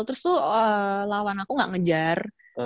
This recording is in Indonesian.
terus tuh lawan aku gak ngejar